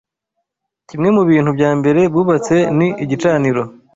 Kimwe mu bintu bya mbere bubatse ni igicaniro